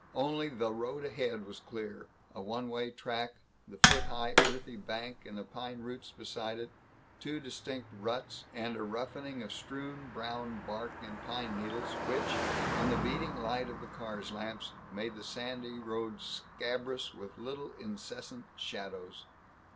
Only the road ahead was clear: a one way track, the foot high earthy bank and the pine roots beside it, two distinct ruts, and a roughening of strewn brown bark and pine needles, which, in the beating light of the car's lamps, made the sandy road scabrous with little incessant shadows.